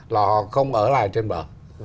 là họ không ở lại trên bờ